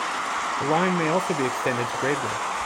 The line may also be extended to Braidwood.